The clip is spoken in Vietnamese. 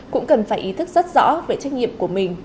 cũng cần phải ý thức rất rõ về trách nhiệm của mình